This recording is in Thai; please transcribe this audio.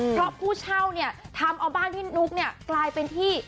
เพราะผู้เช่าเนี่ยทำเอาบ้านพี่นุ๊กเนี่ยกลายเป็นที่